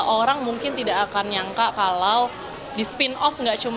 orang mungkin tidak akan nyangka kalau di spin off